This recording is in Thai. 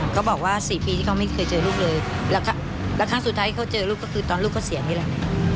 เขาบอกว่า๔ปีที่เขาไม่เคยเจอลูกเลยแล้วครั้งสุดท้ายที่เขาเจอลูกก็คือตอนลูกเขาเสียนี่แหละ